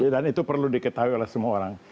dan itu perlu diketahui oleh semua orang